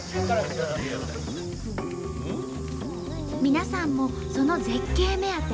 皆さんもその絶景目当て。